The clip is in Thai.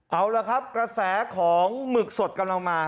เอาละครับกระแสของหมึกสดกำลังมา